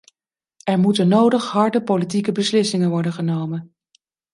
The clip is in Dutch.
Er moeten nodig harde politieke beslissingen worden genomen.